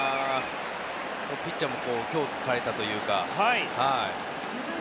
ピッチャーも虚を突かれたというか。